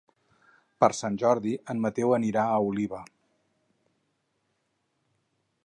Per Sant Jordi en Mateu anirà a Oliva.